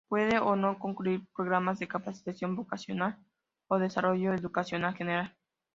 Puede o no incluir programas de capacitación vocacional o desarrollo educacional general.